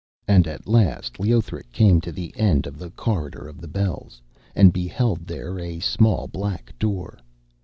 And at last Leothric came to the end of the Corridor of the Bells, and beheld there a small black door.